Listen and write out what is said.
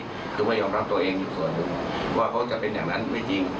คือไม่ยอมรับตัวเองอยู่ส่วนหนึ่งว่าเขาจะเป็นอย่างนั้นไม่จริง